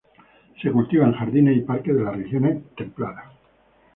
Se cultiva en jardines y parques de las regiones templadas.